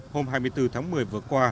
hôm hai mươi bốn tháng một mươi vừa qua